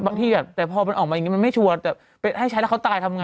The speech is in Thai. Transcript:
ที่แต่พอมันออกมาอย่างนี้มันไม่ชัวร์แต่ให้ใช้แล้วเขาตายทำไง